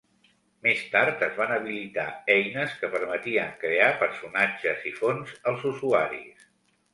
Més tard, es van habilitar eines que permetien crear personatges i fons als usuaris.